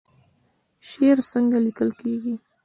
شعر څنګه لیکل کیږي؟